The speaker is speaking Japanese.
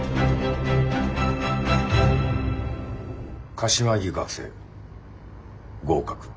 柏木学生合格。